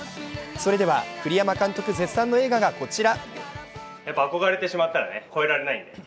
それでは栗山監督絶賛の映画がこちら。